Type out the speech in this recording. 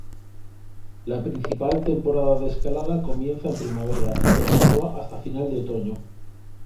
La principal temporada de escalada comienza en primavera y continúa hasta finales del otoño.